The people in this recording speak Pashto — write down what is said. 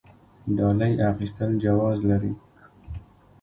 ډالۍ اخیستل جواز لري؟